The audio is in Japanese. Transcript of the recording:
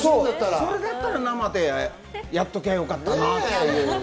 それだったら生でやっときゃよかったなぁって。